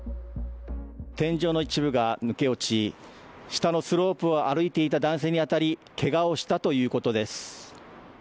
天井の一部が抜け落ち下のスロープを歩いていた男性に当たりけがをしたということです。